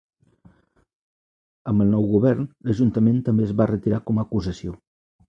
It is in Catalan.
Amb el nou govern, l'Ajuntament també es va retirar com a acusació.